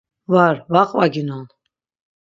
Var va qvaginon.